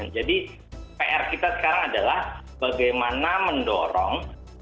jadi pr kita sekarang adalah bagaimana mendorong